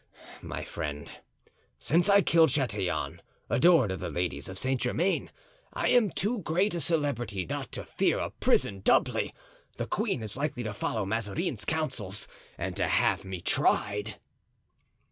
"My friend, since I killed Chatillon, adored of the ladies of Saint Germain, I am too great a celebrity not to fear a prison doubly. The queen is likely to follow Mazarin's counsels and to have me tried."